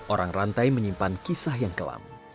orang rantai menyimpan kisah yang kelam